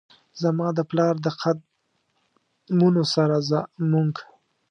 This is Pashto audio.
زما د پلار د قد مونو سره زموږ،